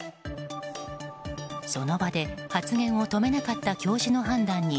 その場で発言を止めなかった教授の判断に